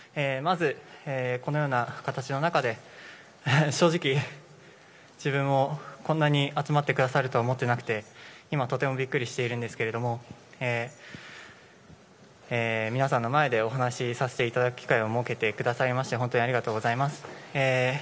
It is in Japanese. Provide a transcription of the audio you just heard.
まずこのような形の中で正直、自分にこんなに集まったくださるとは思っていなくて今、とてもビックリしているんですが皆さんの前でお話する機会を設けてくださいまして本当にありがとうございます。